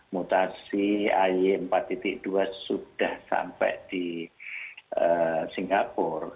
mutasi ay empat dua sudah sampai di singapura